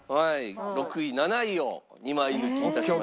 ６位７位を２枚抜きいたしました。